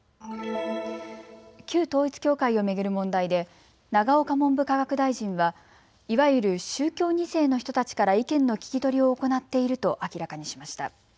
旧統一教会を巡る問題で永岡文部科学大臣はいわゆる宗教２世の人たちから意見の聴き取りを行っていると明らかにしました。